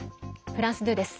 フランス２です。